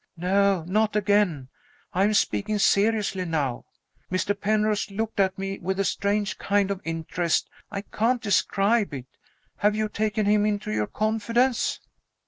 "No, not again! I am speaking seriously now. Mr. Penrose looked at me with a strange kind of interest I can't describe it. Have you taken him into our confidence?"